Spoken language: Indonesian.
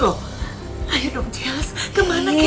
ayo dong chelsea kemana ke